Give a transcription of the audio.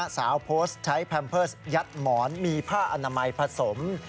โพสต์ใช้แพมเพิร์สยัดหมอนมีผ้าอนามัยผสม